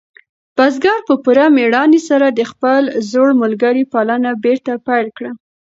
بزګر په پوره مېړانې سره د خپل زوړ ملګري پالنه بېرته پیل کړه.